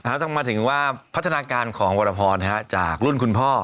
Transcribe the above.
ต้องมาถึงว่าพัฒนาการของวรพรจากรุ่นคุณพ่อ